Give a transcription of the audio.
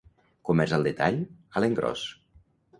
Comerç al detall, a l'engròs.